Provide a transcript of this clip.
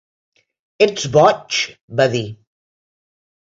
"Ets boig", va dir.